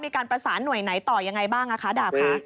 มีการประสานหน่วยไหนต่อยังไงบ้างคะดาบค่ะ